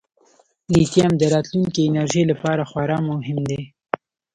لیتیم د راتلونکي انرژۍ لپاره خورا مهم دی.